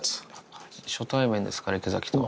初対面ですから池崎とは。